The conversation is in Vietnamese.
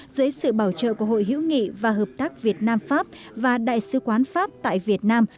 dưới sự bảo trợ của hội hữu nghị và hợp tác việt nam pháp và đại sứ quán pháp tại việt nam